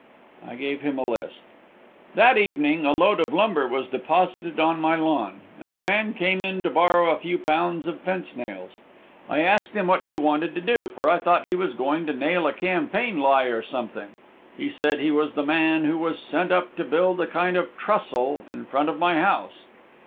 I gave him a list. That evening a load of lumber was deposited on my lawn, and a man came in to borrow a few pounds of fence nails. I asked him what he wanted to do, for I thought he was going to nail a campaign lie or something. He said he was the man who was sent up to build a kind of "trussle" in front of my house.